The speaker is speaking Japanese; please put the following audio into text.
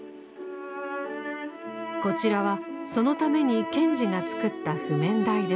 こちらはそのために賢治が作った譜面台です。